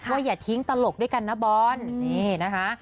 ว่าอย่าทิ้งตลกด้วยกันนะบอลนี่นะคะ